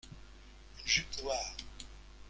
Une jupe noire.